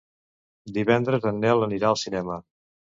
Divendres en Nel anirà al cinema.